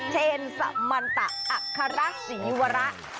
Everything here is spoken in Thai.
เชนสมันตะอัคระศรีวระ